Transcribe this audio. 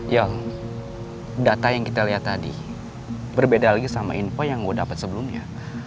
yang data yang kita lihat tadi berbeda lagi sama info yang gue dapat sebelumnya